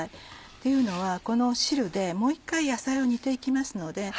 というのはこの汁でもう一回野菜を煮て行きますので。